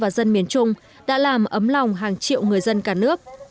các quân và dân miền trung đã làm ấm lòng hàng triệu người dân cả nước